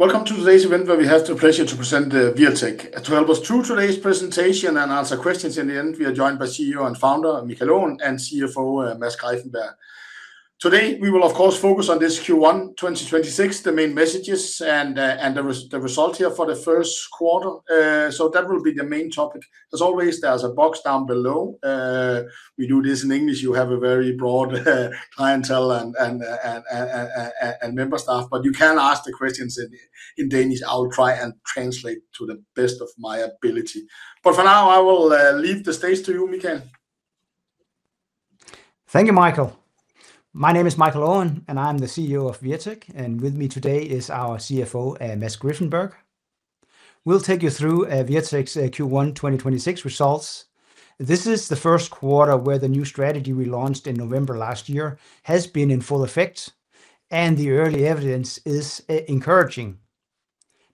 Welcome to today's event where we have the pleasure to present Wirtek. To help us through today's presentation and answer questions in the end, we are joined by CEO and Founder Michael Aaen and CFO Mads Greiffenberg. Today, we will of course focus on this Q1 2026, the main messages and the result here for the first quarter. That will be the main topic. As always, there's a box down below, we do this in English, you have a very broad clientele and member staff. But you can ask the questions in Danish, I will try and translate to the best of my ability. For now, I will leave the stage to you, Michael. Thank you, Michael. My name is Michael Aaen, and I'm the CEO of Wirtek, and with me today is our CFO, Mads Greiffenberg. We'll take you through Wirtek's Q1 2026 results. This is the first quarter where the new strategy we launched in November last year has been in full effect, and the early evidence is encouraging.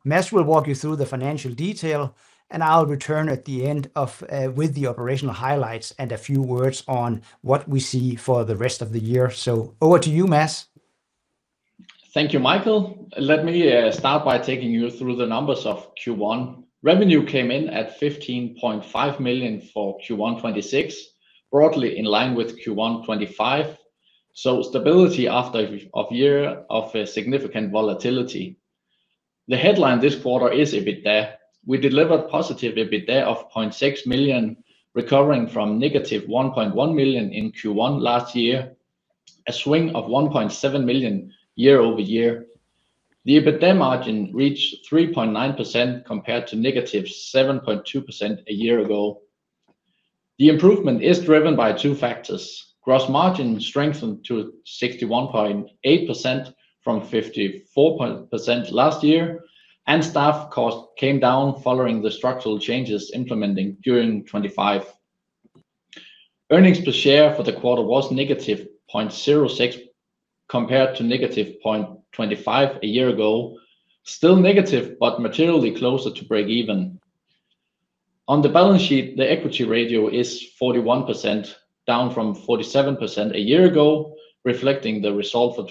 Mads will walk you through the financial detail and I'll return at the end with the operational highlights and a few words on what we see for the rest of the year. Over to you, Mads. Thank you, Michael. Let me start by taking you through the numbers of Q1. Revenue came in at 15.5 million for Q1 2026, broadly in line with Q1 2025, so stability after a year of significant volatility. The headline this quarter is EBITDA. We delivered positive EBITDA of 0.6 million, recovering from -1.1 million in Q1 last year, a swing of 1.7 million year-over-year. The EBITDA margin reached 3.9% compared to -7.2% a year ago. The improvement is driven by two factors. Gross margin strengthened to 61.8% from 54% last year, and staff cost came down following the structural changes implementing during 2025. Earnings per share for the quarter was -0.06 compared to -0.25 a year ago. Still negative, but materially closer to breakeven. On the balance sheet, the equity ratio is 41%, down from 47% a year ago, reflecting the result for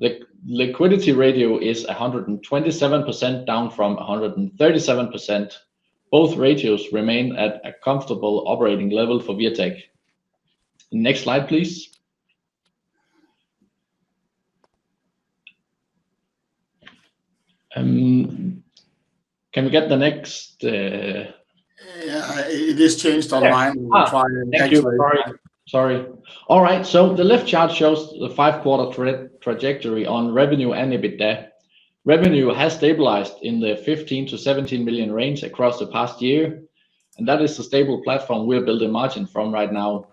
2025. Liquidity ratio is 127%, down from 137%. Both ratios remain at a comfortable operating level for Wirtek. Next slide, please. Can we get the next? Yeah, it just changed online. Yes. We're trying to translate. Thank you. Sorry. All right. The left chart shows the five-quarter trajectory on revenue and EBITDA. Revenue has stabilized in the 15 million-17 million range across the past year, and that is the stable platform we're building margin from right now.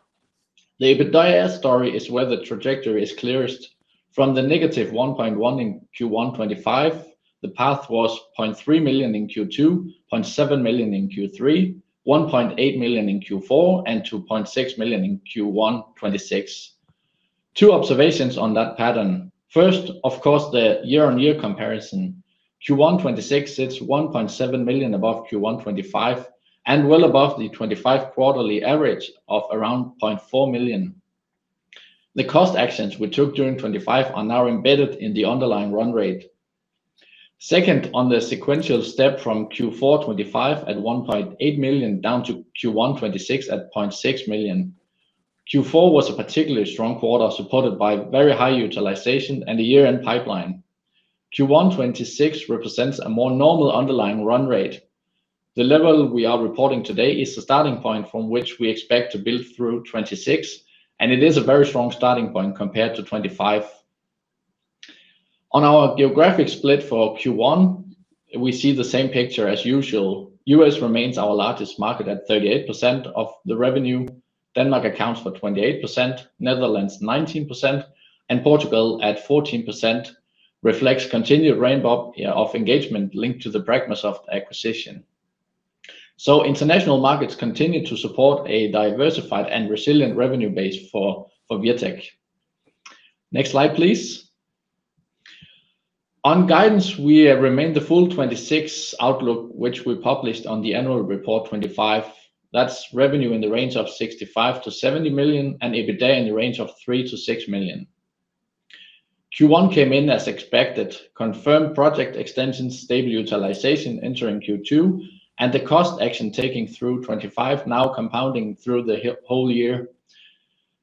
The EBITDA story is where the trajectory is clearest. From the -1.1 million in Q1 2025, the path was 0.3 million in Q2, 0.7 million in Q3, 1.8 million in Q4, and 2.6 million in Q1 2026. Two observations on that pattern. First, of course, the year-on-year comparison. Q1 2026 sits 1.7 million above Q1 2025 and well above the 2025 quarterly average of around 0.4 million. The cost actions we took during 2025 are now embedded in the underlying run rate. Second, on the sequential step from Q4 2025 at 1.8 million, down to Q1 2026 at 0.6 million. Q4 was a particularly strong quarter, supported by very high utilization and the year-end pipeline. Q1 2026 represents a more normal underlying run rate. The level we are reporting today is the starting point from which we expect to build through 2026, and it is a very strong starting point compared to 2025. On our geographic split for Q1, we see the same picture as usual. U.S. remains our largest market at 38% of the revenue, Denmark accounts for 28%, Netherlands 19%, and Portugal at 14% reflects continued ramp up of engagement linked to the Pragmasoft acquisition. So, international markets continue to support a diversified and resilient revenue base for Wirtek. Next slide, please. On guidance, we remain the full 2026 outlook, which we published on the Annual Report 2025. That's revenue in the range of 65 million-70 million, and EBITDA in the range of 3 million-6 million. Q1 came in as expected, confirmed project extensions, stable utilization entering Q2, and the cost action taking through 2025 now compounding through the whole year.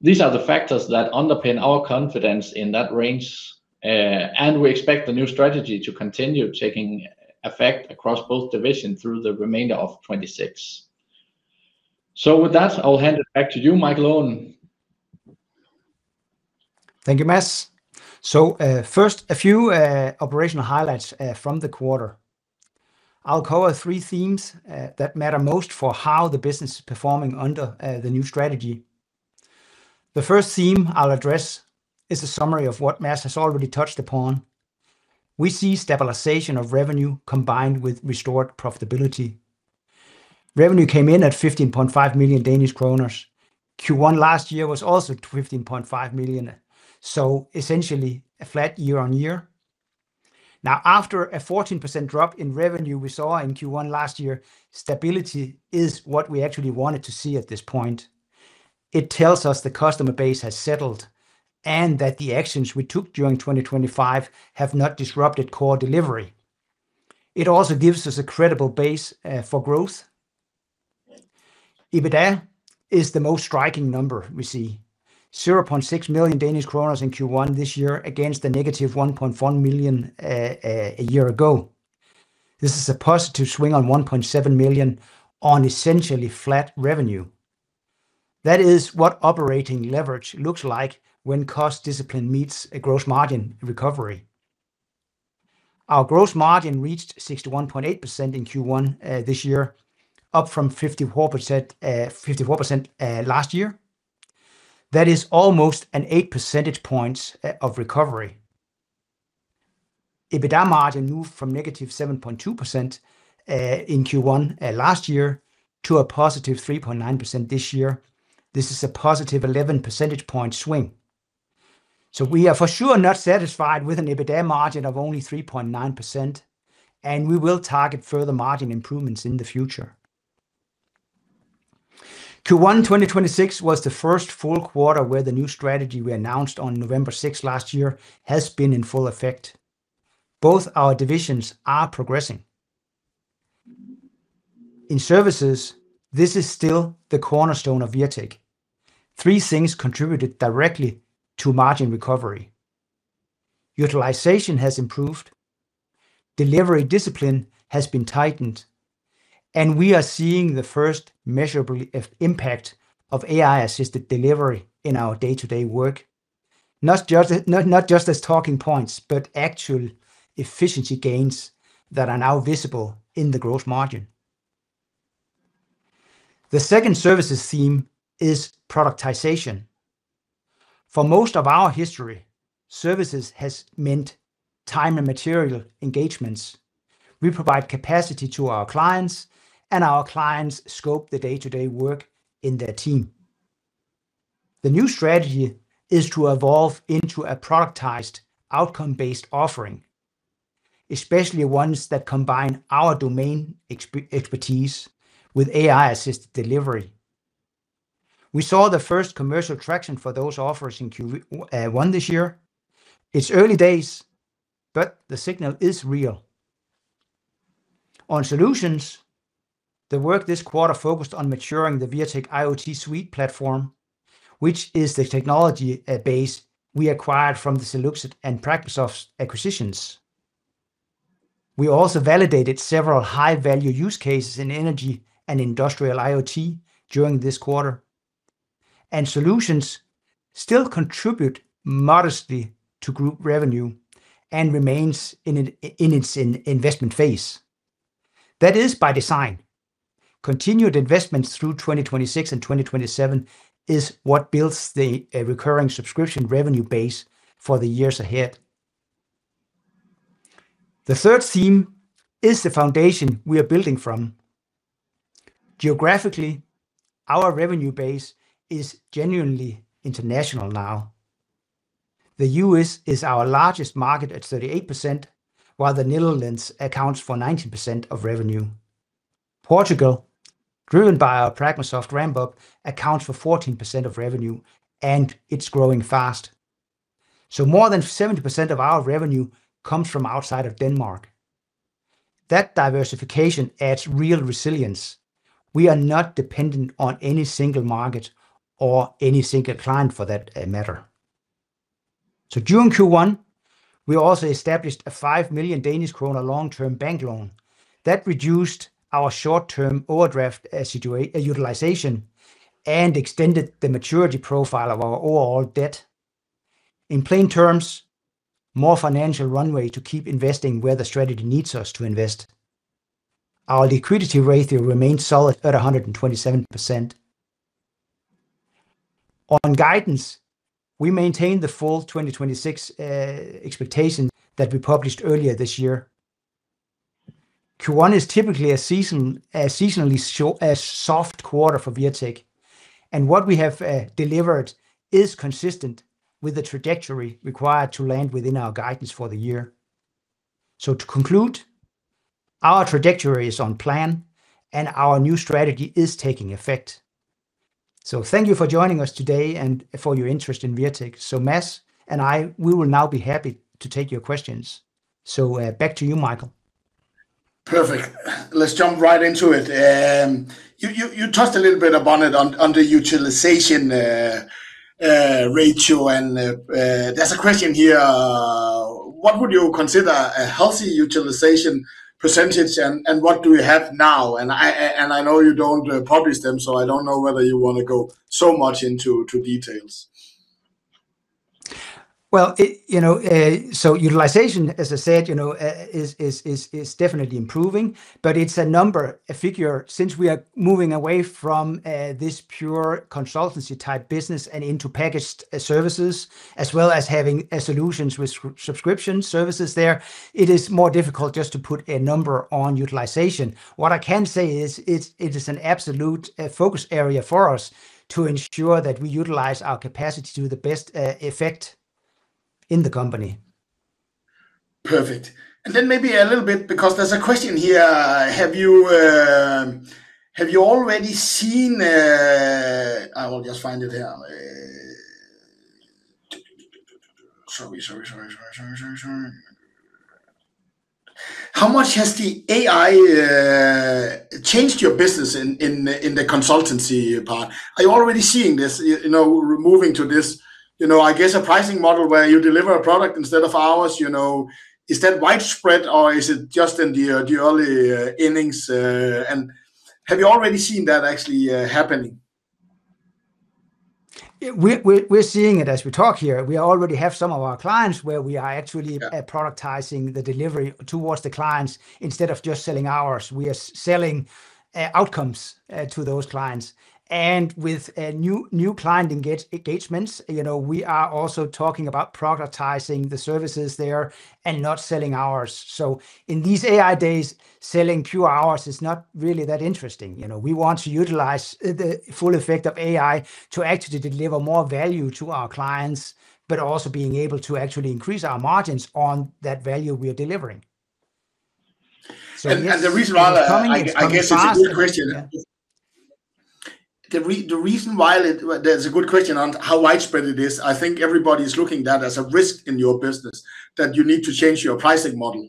These are the factors that underpin our confidence in that range, and we expect the new strategy to continue taking effect across both divisions through the remainder of 2026. With that, I'll hand it back to you, Michael Aaen. Thank you, Mads. First, a few operational highlights from the quarter. I'll cover three themes that matter most for how the business is performing under the new strategy. The first theme I'll address is a summary of what Mads has already touched upon. We see stabilization of revenue combined with restored profitability. Revenue came in at 15.5 million Danish kroner. Q1 last year was also 15.5 million, so, essentially a flat year-on-year. Now, after a 14% drop in revenue we saw in Q1 last year, stability is what we actually wanted to see at this point. It tells us the customer base has settled and that the actions we took during 2025 have not disrupted core delivery. It also gives us a credible base for growth. EBITDA is the most striking number we see. 0.6 million Danish kroner in Q1 this year against the -1.1 million a year ago. This is a positive swing on 1.7 million on essentially flat revenue. That is what operating leverage looks like when cost discipline meets a gross margin recovery. Our gross margin reached 61.8% in Q1 this year, up from 54% last year. That is almost an 8 percentage points of recovery. EBITDA margin moved from -7.2% in Q1 last year to a +3.9% this year. This is a +11-percentage point swing. We are for sure not satisfied with an EBITDA margin of only 3.9%, and we will target further margin improvements in the future. Q1 2026 was the first full quarter where the new strategy we announced on November 6th last year has been in full effect. Both our divisions are progressing. In services, this is still the cornerstone of Wirtek. Three things contributed directly to margin recovery. Utilization has improved, delivery discipline has been tightened, and we are seeing the first measurable impact of AI-assisted delivery in our day-to-day work, not just as talking points, but actual efficiency gains that are now visible in the gross margin. The second services theme is productization. For most of our history, services has meant time and material engagements. We provide capacity to our clients, our clients scope the day-to-day work in their team. The new strategy is to evolve into a productized outcome-based offering, especially ones that combine our domain expertise with AI-assisted delivery. We saw the first commercial traction for those offers in Q1 this year. It's early days, but the signal is real. On solutions, the work this quarter focused on maturing the Wirtek IoT Suite platform, which is the technology base we acquired from the Seluxit and Pragmasoft acquisitions. We also validated several high-value use cases in energy and industrial IoT during this quarter. Solutions still contribute modestly to group revenue and remains in its investment phase. That is by design. Continued investments through 2026 and 2027 is what builds the recurring subscription revenue base for the years ahead. The third theme is the foundation we are building from. Geographically, our revenue base is genuinely international now. The U.S. is our largest market at 38%, while the Netherlands accounts for 19% of revenue. Portugal, driven by our Pragmasoft ramp-up, accounts for 14% of revenue, and it's growing fast. So, more than 70% of our revenue comes from outside of Denmark. That diversification adds real resilience. We are not dependent on any single market or any single client for that matter. During Q1, we also established a 5 million Danish kroner long-term bank loan that reduced our short-term overdraft utilization and extended the maturity profile of our overall debt. In plain terms, more financial runway to keep investing where the strategy needs us to invest. Our liquidity ratio remains solid at 127%. On guidance, we maintain the full 2026 expectations that we published earlier this year. Q1 is typically a season, a seasonally soft quarter for Wirtek, and what we have delivered is consistent with the trajectory required to land within our guidance for the year. To conclude, our trajectory is on plan, and our new strategy is taking effect. Thank you for joining us today and for your interest in Wirtek. Mads and I, we will now be happy to take your questions. Back to you, Michael. Perfect. Let's jump right into it. You touched a little bit upon it on the utilization ratio, and there's a question here. What would you consider a healthy utilization percentage, and what do we have now? I know you don't publish them, so I don't know whether you wanna go so much into details. Well, it, you know, so utilization, as I said, you know, is definitely improving, but it's a number, a figure. Since we are moving away from this pure consultancy-type business and into packaged services, as well as having solutions with subscription services there, it is more difficult just to put a number on utilization. What I can say is it is an absolute focus area for us to ensure that we utilize our capacity to the best effect in the company. Perfect. Then maybe a little bit, because there's a question here. Have you already seen? Sorry. How much has the AI changed your business in the consultancy part? Are you already seeing this, you know, moving to this, you know, I guess a pricing model where you deliver a product instead of hours, you know, is that widespread or is it just in the early innings? Have you already seen that actually, happening? Yeah. We're seeing it as we talk here. We already have some of our clients. Yeah. Where we are actually productizing the delivery towards the clients instead of just selling hours. We are selling outcomes to those clients. And with new client engagements, you know, we are also talking about productizing the services there and not selling hours. In these AI days, selling pure hours is not really that interesting, you know. We want to utilize the full effect of AI to actually deliver more value to our clients but also being able to actually increase our margins on that value we are delivering. So, yes, it's coming. It's coming fast. The reason why, well, that is a good question on how widespread it is. I think everybody's looking that as a risk in your business that you need to change your pricing model.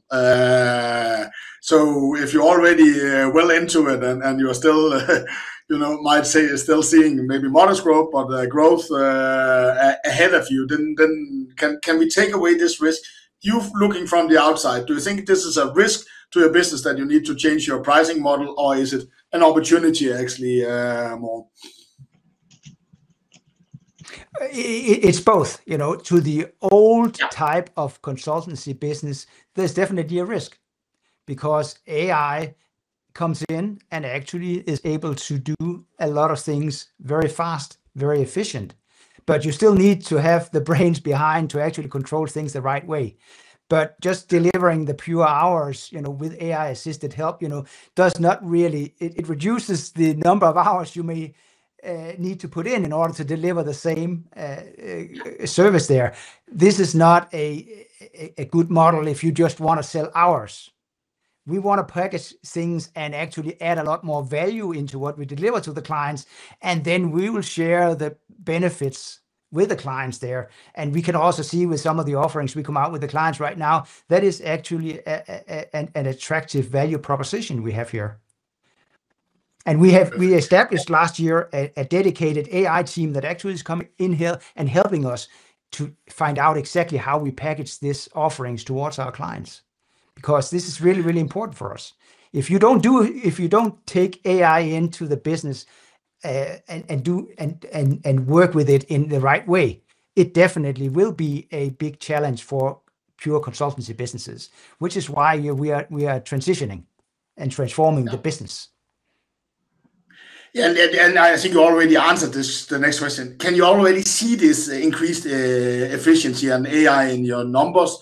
So, if you're already well into it and, you are still, you know, might say you're still seeing maybe modest growth or the growth ahead of you, then, can we take away this risk? You looking from the outside, do you think this is a risk to a business that you need to change your pricing model or is it an opportunity actually, more? It's both, you know. Yeah. To the old type of consultancy business, there's definitely a risk because AI comes in and actually is able to do a lot of things very fast, very efficient. But you still need to have the brains behind to actually control things the right way. But just delivering the pure hours, you know, with AI-assisted help, you know, does not really, it reduces the number of hours you may need to put in in order to deliver the same. Yeah. Service there. This is not a good model if you just wanna sell hours. We wanna package things and actually add a lot more value into what we deliver to the clients, and then we will share the benefits with the clients there. We can also see with some of the offerings we come out with the clients right now, that is actually an attractive value proposition we have here. And we have. Yeah. We established last year a dedicated AI team that actually is coming in here and helping us to find out exactly how we package these offerings towards our clients because this is really, really important for us. If you don't do, if you don't take AI into the business, and work with it in the right way, it definitely will be a big challenge for pure consultancy businesses, which is why we are transitioning and transforming. Yeah. The business. Yeah. I think you already answered this, the next question. Can you already see this increased efficiency on AI in your numbers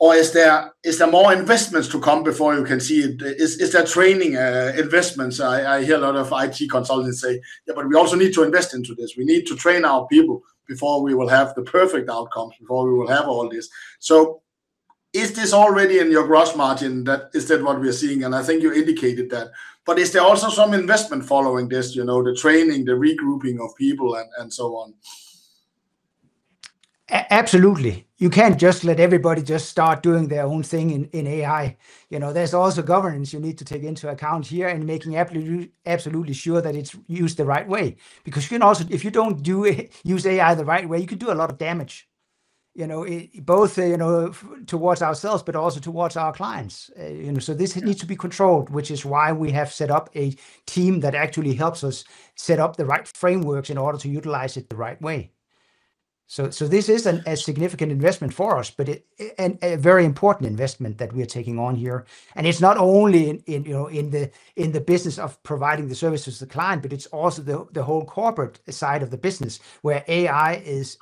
or is there more investments to come before you can see it? Is there training investments? I hear a lot of IT consultants say, "Yeah, but we also need to invest into this. We need to train our people before we will have the perfect outcome, before we will have all this." So, is this already in your gross margin that is that what we're seeing? And I think you indicated that. But is there also some investment following this, you know, the training, the regrouping of people and so on? Absolutely. You can't just let everybody just start doing their own thing in AI. You know, there's also governance you need to take into account here and making absolutely sure that it's used the right way. Because you know, if you don't do it, use AI the right way, you could do a lot of damage, you know, both, you know, towards ourselves, but also towards our clients. Yeah. So, this needs to be controlled, which is why we have set up a team that actually helps us set up the right frameworks in order to utilize it the right way. This is a significant investment for us, but it, and a very important investment that we are taking on here. It's not only in, you know, in the business of providing the services to the client, but it's also the whole corporate side of the business where AI is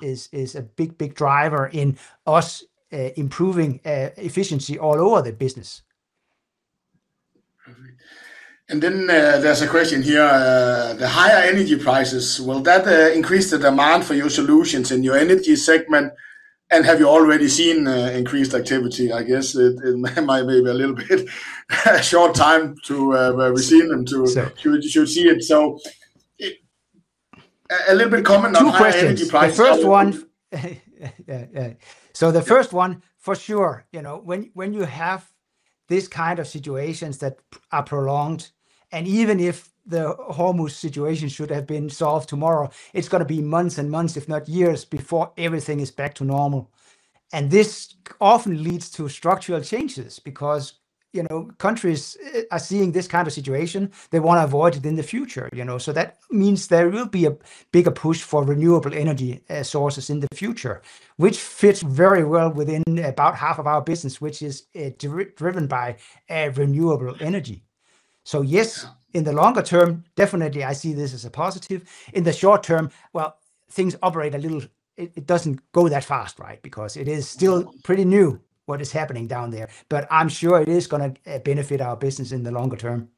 a big driver in us improving efficiency all over the business. Perfect. Then, there's a question here. The higher energy prices, will that increase the demand for your solutions in your energy segment, and have you already seen increased activity? I guess it might be a little bit short time to where we've seen them to. Exactly. To see it. So, a little bit comment on high energy prices. Two questions. The first one. Yeah, yeah. So, the first one, for sure. You know, when you have these kinds of situations that are prolonged, and even if the whole situation should have been solved tomorrow, it's gonna be months and months if not years before everything is back to normal. This often leads to structural changes because, you know, countries are seeing this kind of situation, they wanna avoid it in the future, you know. So, that means there will be a bigger push for renewable energy sources in the future, which fits very well within about half of our business, which is driven by renewable energy. So, yes. Yeah. In the longer term, definitely I see this as a positive. In the short term, well, things operate a little, it doesn't go that fast, right? Because it is still pretty new what is happening down there. But I'm sure it is gonna benefit our business in the longer term.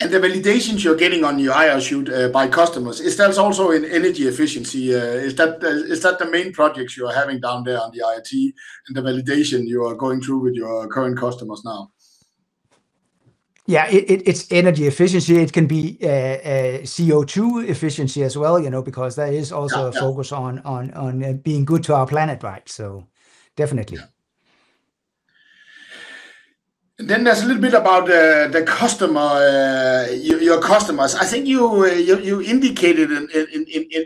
And the validations you're getting on your IoT Suite by customers, is that also in energy efficiency? Is that the main projects you're having down there on the IT and the validation you are going through with your current customers now? Yeah. It's energy efficiency. It can be a CO2 efficiency as well, you know. Yeah. Because there is also a focus on being good to our planet, right, so definitely. Then, there's a little bit about the customer, your customers. I think you indicated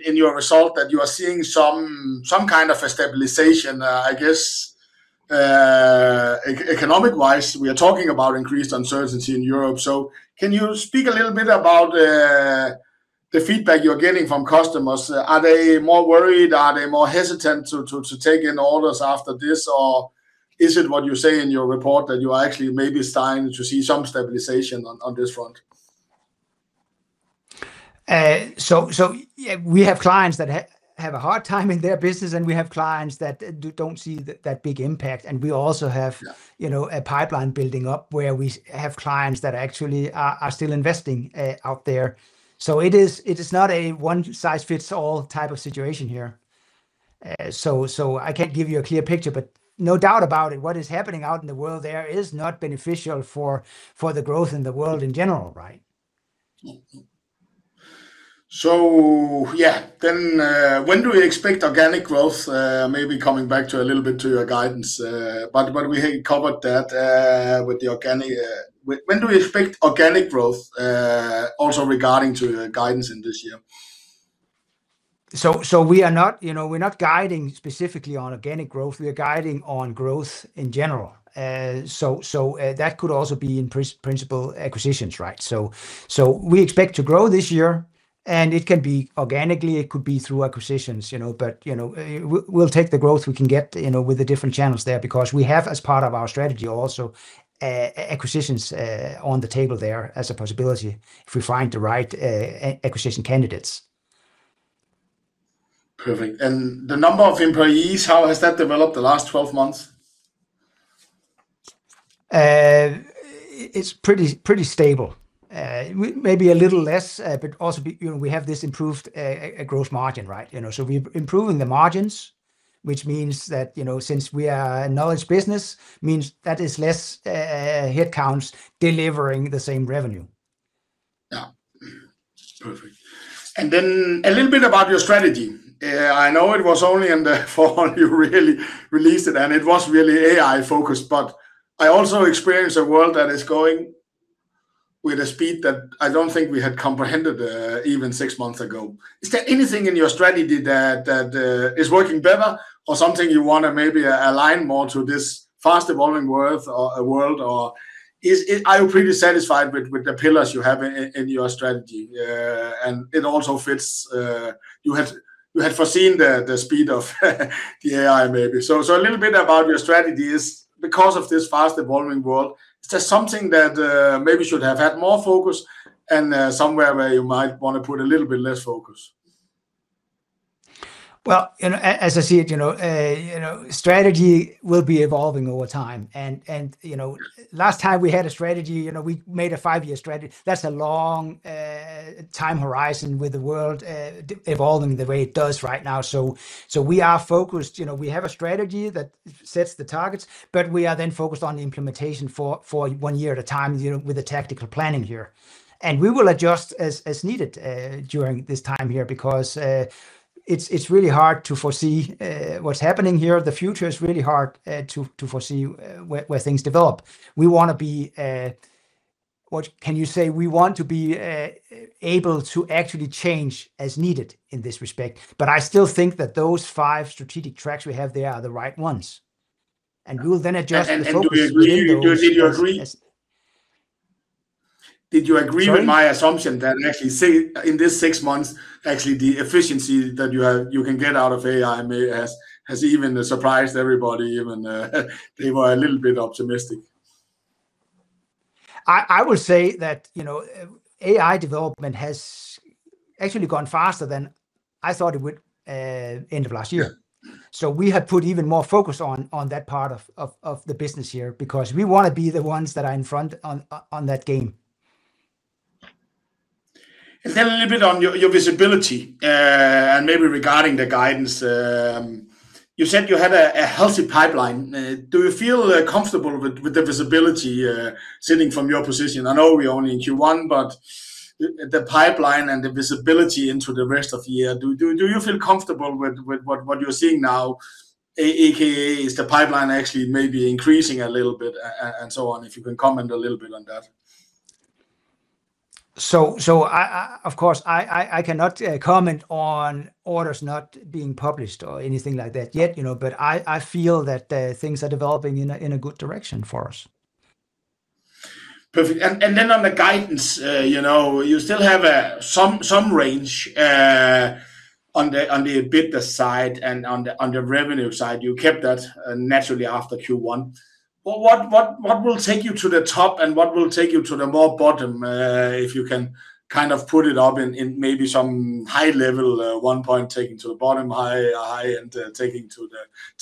in your result that you are seeing some kind of a stabilization, I guess, economic-wise. We are talking about increased uncertainty in Europe. Can you speak a little bit about the feedback you're getting from customers? Are they more worried? Are they more hesitant to take in orders after this? Or is it what you say in your report that you are actually maybe starting to see some stabilization on this front? Yeah, we have clients that have a hard time in their business, and we have clients that don't see that big impact. Yeah. And we also have, you know, a pipeline building up where we have clients that actually are still investing out there. So, it is not a one-size-fits-all type of situation here. I can't give you a clear picture, but no doubt about it, what is happening out in the world there is not beneficial for the growth in the world in general, right? Yeah. When do we expect organic growth? Maybe coming back to a little bit to your guidance. But we covered that with the organic. When do we expect organic growth also regarding to the guidance in this year? So, we are not, you know, we're not guiding specifically on organic growth. We are guiding on growth in general. That could also be in principle, acquisitions, right? We expect to grow this year, and it can be organically, it could be through acquisitions, you know. But, you know, we'll take the growth we can get, you know, with the different channels there because we have, as part of our strategy also, acquisitions on the table there as a possibility if we find the right acquisition candidates. Perfect. The number of employees, how has that developed the last 12 months? It's pretty stable. Maybe a little less, but also you know, we have this improved gross margin, right? You know, we're improving the margins, which means that, you know, since we are a knowledge business, means that is less headcounts delivering the same revenue. Yeah. Perfect. Then, a little bit about your strategy. I know it was only in the fall you really released it, and it was really AI-focused, but I also experienced a world that is going with a speed that I don't think we had comprehended, even six months ago. Is there anything in your strategy that is working better or something you want to maybe align more to this fast-evolving world? Or are you pretty satisfied with the pillars you have in your strategy? It also fits; you had foreseen the speed of the AI maybe. So, a little bit about your strategies because of this fast-evolving world, is there something that, maybe should have had more focus and, somewhere where you might wanna put a little bit less focus? Well, as I see it, you know, strategy will be evolving over time. You know, last time we had a strategy, you know, we made a five-year strategy, that's a long-time horizon with the world evolving the way it does right now. We are focused. You know, we have a strategy that sets the targets, but we are then focused on the implementation for one year at a time, you know, with the tactical planning here. And we will adjust as needed during this time here because it's really hard to foresee what's happening here. The future is really hard to foresee where things develop. We wanna be, what can you say, we want to be able to actually change as needed in this respect, but I still think that those five strategic tracks we have there are the right ones, and we will then adjust the focus. Do you agree with me? Did you agree? As those focus tests. Did you agree? Sorry? With my assumption that actually, say, in these six months, actually, the efficiency that you have, you can get out of AI may, has even surprised everybody even, they were a little bit optimistic? I would say that, you know, AI development has actually gone faster than I thought it would, end of last year. Yeah. We had put even more focus on that part of the business here because we wanna be the ones that are in front on that game. A little bit on your visibility and maybe regarding the guidance. You said you had a healthy pipeline. Do you feel comfortable with the visibility sitting from your position? I know we're only in Q1, but the pipeline and the visibility into the rest of the year, do you feel comfortable with what you're seeing now, aka is the pipeline actually maybe increasing a little bit and so on? If you can comment a little bit on that. Of course, I cannot comment on orders not being published or anything like that yet, you know, but I feel that things are developing in a good direction for us. Perfect. Then on the guidance, you know, you still have some range on the EBITDA side and on the revenue side. You kept that naturally after Q1. What will take you to the top and what will take you to the more bottom, if you can kind of put it up in maybe some high level, one point taking to the bottom, high, and taking to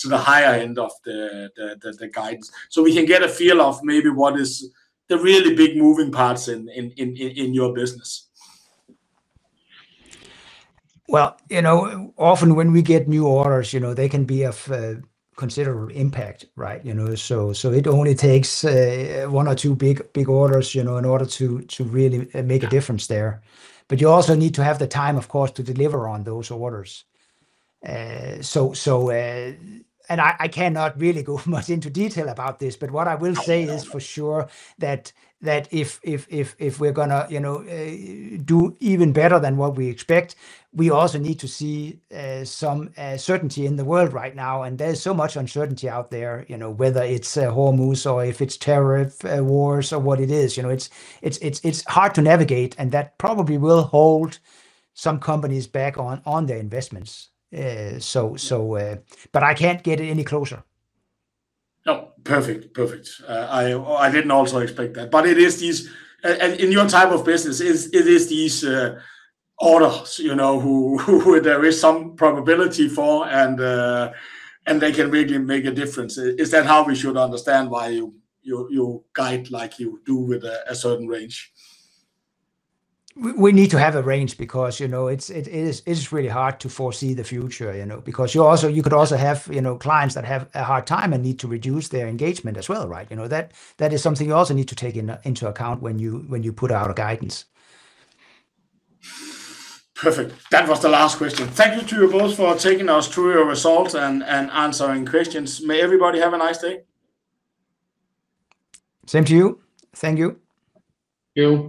the higher end of the guidance so we can get a feel of maybe what is the really big moving parts in your business? Well, you know, often when we get new orders, you know, they can be of considerable impact, right? You know, it only takes one or two big orders, you know, in order to really make a difference there. But you also need to have the time, of course, to deliver on those orders. I cannot really go much into detail about this, but what I will say. I know. Is for sure that if we're gonna, you know, do even better than what we expect, we also need to see, some certainty in the world right now, and there's so much uncertainty out there, you know, whether it's Hormuz or if it's tariff, wars, or what it is. You know, it's, it's hard to navigate, and that probably will hold some companies back on their investments. But I can't get any closer. No. Perfect. Perfect. I didn't also expect that, but it is these and in your type of business, it is these orders, you know, who there is some probability for, and they can really make a difference. Is that how we should understand why you guide like you do with a certain range? We need to have a range because, you know, it is really hard to foresee the future, you know, because you could also have, you know, clients that have a hard time and need to reduce their engagement as well, right? You know, that is something you also need to take into account when you put out a guidance. Perfect. That was the last question. Thank you to you both for taking us through your results and answering questions. May everybody have a nice day. Same to you. Thank you. Thank you.